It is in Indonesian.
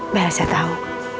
mbak yasa tahu